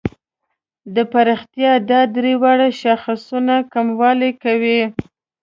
د پرمختیا دا درې واړه شاخصونه کموالي کوي.